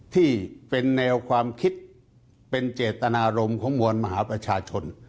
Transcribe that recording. ที่เป็นแนวความคิดเป็นเจตนารมณ์ของมวลมหาประชาชน